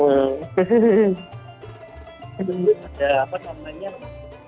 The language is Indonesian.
menu lain enggak